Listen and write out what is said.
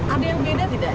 ada yang beda tidak